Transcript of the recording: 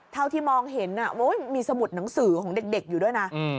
เท่าที่มองเห็นมีสมุดหนังสือของเด็กอยู่ด้วยนะ